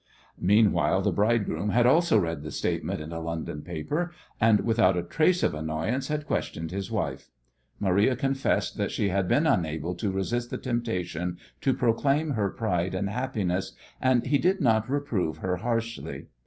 Meanwhile the bridegroom had also read the statement in a London paper, and without a trace of annoyance had questioned his wife. Maria confessed that she had been unable to resist the temptation to proclaim her pride and happiness, and he did not reprove her harshly.